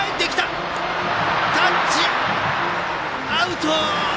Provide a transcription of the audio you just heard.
タッチアウト！